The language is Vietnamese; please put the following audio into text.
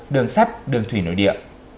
đường sắt đường thủy nội địa